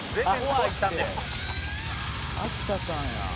「秋田さんや」